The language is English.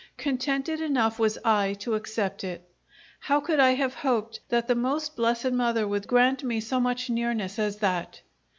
Contented enough was I to accept it! How could I have hoped that the Most Blessed Mother would grant me so much nearness as that?